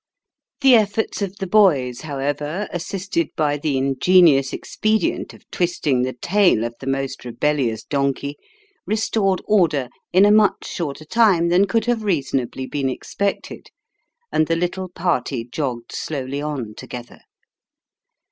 The efforts of the boys, however, assisted by the ingenious expedient of twisting the tail of the most rebellious donkey, restored order in a imich shorter time than could have reason ably been expected, and the little party jogged slowly on together.